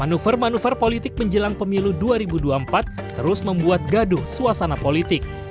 manuver manuver politik menjelang pemilu dua ribu dua puluh empat terus membuat gaduh suasana politik